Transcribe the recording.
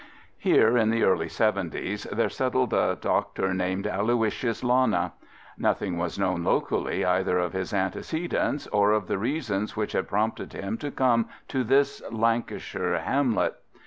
Here in the early seventies there settled a doctor named Aloysius Lana. Nothing was known locally either of his antecedents or of the reasons which had prompted him to come to this Lancashire hamlet.